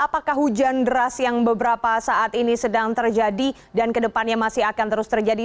apakah hujan deras yang beberapa saat ini sedang terjadi dan kedepannya masih akan terus terjadi